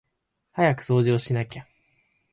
早く部屋を掃除しなきゃ